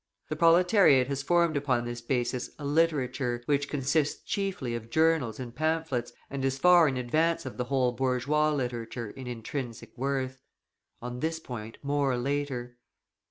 The proletariat has formed upon this basis a literature, which consists chiefly of journals and pamphlets, and is far in advance of the whole bourgeois literature in intrinsic worth. On this point more later.